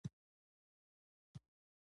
یخ د تودوخې په زیاتېدو اوبه کېږي.